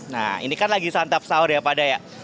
nah ini kan lagi santap sahur ya pada ya